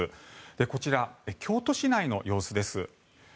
こちら、京都市内の様子です。